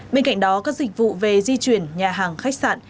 bên cạnh đó các dịch vụ về di chuyển nhà hàng khách sạn